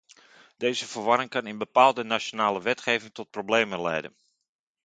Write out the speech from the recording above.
Deze verwarring kan in bepaalde nationale wetgeving tot problemen leiden.